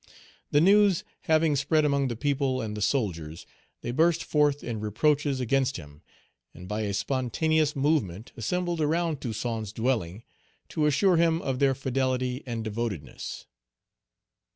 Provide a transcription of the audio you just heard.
The news having spread among the people and the soldiers, they burst forth in reproaches against him, and by a spontaneous movement assembled around Toussaint's dwelling to assure him of their fidelity and devotedness.